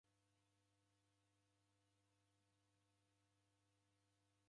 W'ana w'atini w'akundo ni Jesu